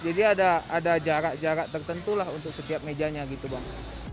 jadi ada jarak jarak tertentu lah untuk setiap mejanya gitu bang